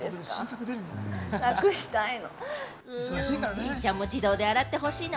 デイちゃんも自動で洗ってほしいな。